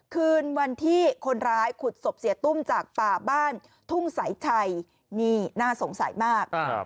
คืนวันที่คนร้ายขุดศพเสียตุ้มจากป่าบ้านทุ่งสายชัยนี่น่าสงสัยมาก